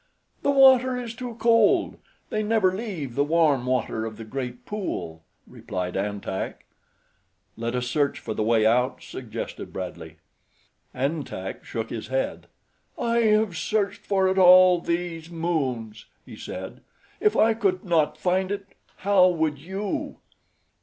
"The water is too cold they never leave the warm water of the great pool," replied An Tak. "Let us search for the way out," suggested Bradley. An Tak shook his head. "I have searched for it all these moons," he said. "If I could not find it, how would you?"